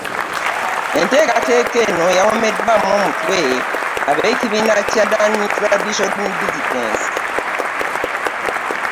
Enteekateeka eno yawomeddwamu omutwe ab’ekiwayi kya Non-traditional Business.